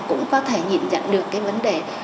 cũng có thể nhận được cái vấn đề